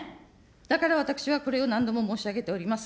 だから私はこれを何度も申し上げております。